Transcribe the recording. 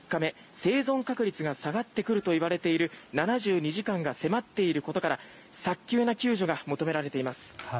生存確率が下がってくるといわれる７２時間が迫っていることから早急な救助が求められます。